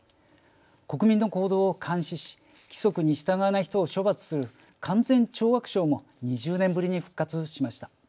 国民の行動を監視し規則に従わない人を処罰する勧善懲悪省も２０年ぶりに復活ました。